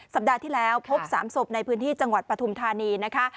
สัปดาห์ที่แล้วพบ๓ศพในพื้นที่จังหวัดปฐุมธานีนะคะ